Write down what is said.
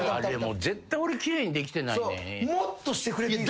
絶対俺奇麗にできてないねん。